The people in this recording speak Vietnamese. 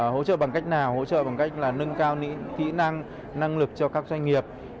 hỗ trợ bằng cách nào hỗ trợ bằng cách là nâng cao kỹ năng năng lực cho các doanh nghiệp